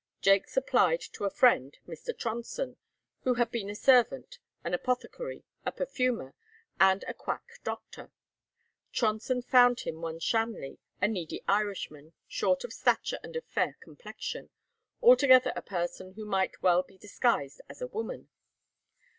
Jaques applied to a friend, Mr. Tronson, who had been a servant, an apothecary, a perfumer, and a quack doctor. Tronson found him one Shanley, a needy Irishman, short of stature and of fair complexion, altogether a person who might well be disguised as a woman.